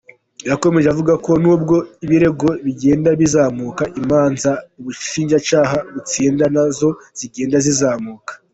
Yakomeje avuga ko nubwo ibirego bigenda bizamuka, imanza ubushinjacyaha butsinda na zo zigenda zizamuka.